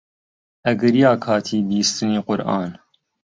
ئەگریا کاتی بیستنی قورئان